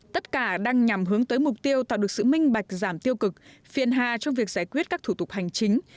tất cả đang nhằm hướng tới mục tiêu tạo được sự minh bạch giảm tiêu cực phiền hà trong việc giải quyết các thủ tục hành chính